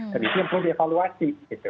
dan itu yang perlu dievaluasi